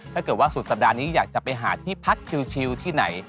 ถ้าเกิดว่าสุดสัปดาห์นี้อยากจะไปหาที่พักชิวที่ไหน